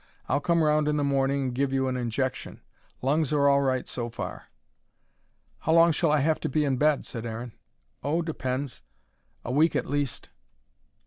I'll come round in the morning and give you an injection. Lungs are all right so far." "How long shall I have to be in bed?" said Aaron. "Oh depends. A week at least."